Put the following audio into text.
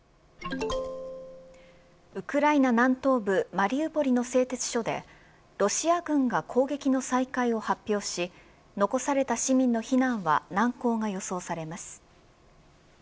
ウクライナ南東部マリウポリの製鉄所でロシア軍が攻撃の再開を発表し残された市民の避難は難航が予想されます。